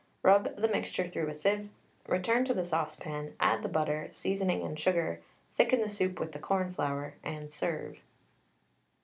Rub the mixture through a sieve, return to the saucepan, add the butter, seasoning and sugar, thicken the soup with the cornflour, and serve.